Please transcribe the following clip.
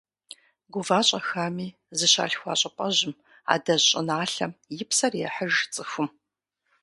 Гува-щӏэхами, зыщалъхуа щӏыпӏэжьым, адэжь щӏыналъэм и псэр ехьыж цӏыхум.